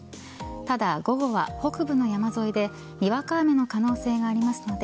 ただ午後は北部の山沿いでにわか雨の可能性もありますので